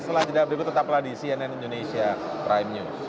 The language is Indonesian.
selanjutnya berikut tetap lagi cnn indonesia prime news